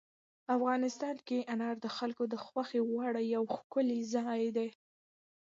افغانستان کې انار د خلکو د خوښې وړ یو ښکلی ځای دی.